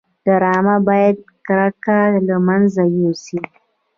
ډرامه باید کرکه له منځه یوسي